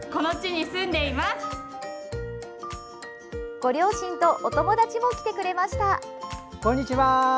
ご両親とお友達も来てくれました。